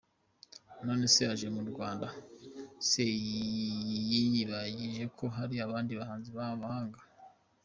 None se aje mu Rwanda se yiyibagijeko hari abandi bahanzi b’abahanga ?.